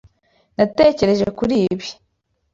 Natekereje kuri ibi.